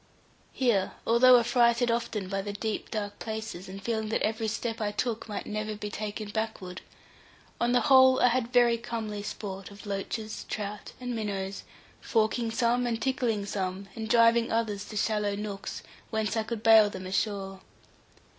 Here, although affrighted often by the deep, dark places, and feeling that every step I took might never be taken backward, on the whole I had very comely sport of loaches, trout, and minnows, forking some, and tickling some, and driving others to shallow nooks, whence I could bail them ashore.